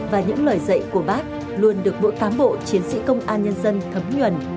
và những lời dạy của bác luôn được mỗi cám bộ chiến sĩ công an nhân dân thấm nhuần